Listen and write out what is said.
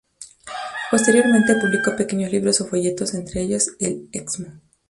Posteriormente publicó pequeños libros o folletos, entre ellos "El Excmo.